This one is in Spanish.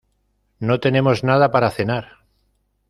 No tenemos nada para cenar.